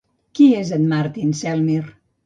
Qui és Martin Selmyr?